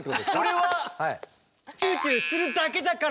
俺はチューチューするだけだから。